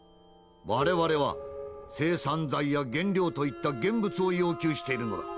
我々は生産財や原料といった現物を要求しているのだ」。